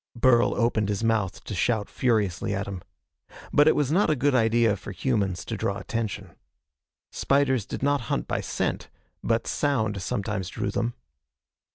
Burl opened his mouth to shout furiously at them. But it was not a good idea for humans to draw attention. Spiders did not hunt by scent, but sound sometimes drew them.